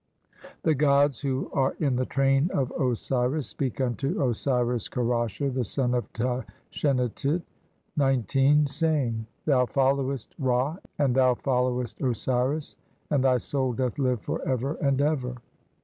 The gods who are in the train of Osiris speak unto Osiris Kerasher, the son of Tashenatit, (19) saying: — C G ISTR OD UCTION. "Thou followest Ra and thou followest Osiris, and "thy soul doth live for ever and ever."